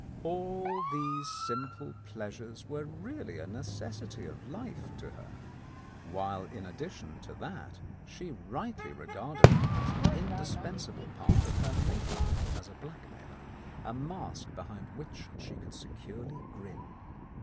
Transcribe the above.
All these simple pleasures were really a necessity of life to her, while in addition to that she rightly regarded them as an indispensable part of her "make up " as a blackmailer, a mask behind which she could securely grin.